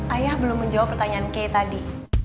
ayah belum menjawab pertanyaan k tadi